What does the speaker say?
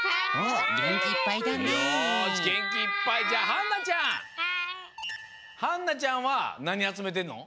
はんなちゃんはなにあつめてんの？